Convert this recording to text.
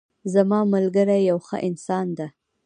زما ملګری یو ښه انسان ده